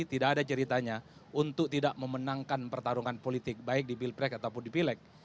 tidak ada ceritanya untuk tidak memenangkan pertarungan politik baik di pilpres ataupun di pileg